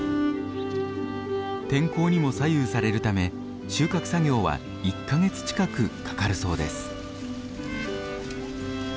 天候にも左右されるため収穫作業は１か月近くかかるそうです。